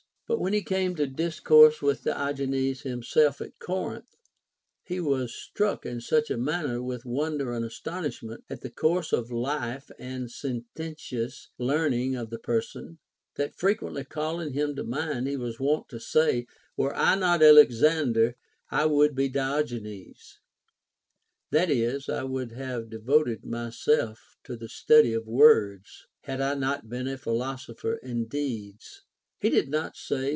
But when he came to discourse \ΛΊΐ1ι Diogenes himself at Corinth, he was struck in such a manner Avith wonder and astonishment at the course of life and sententious learning of the person, that frequently calling him to mind he was wont to say. Were I not Alex ander, I Λvould be Diogenes. That is, I would have de voted myself to the study of words, had I not been a philosopher in deeds. He did not say.